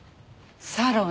サロン